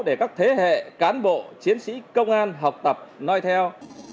để các thế hệ cán bộ chiến sĩ công an học tập nói theo